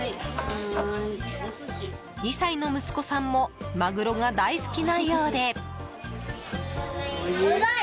２歳の息子さんもマグロが大好きなようで。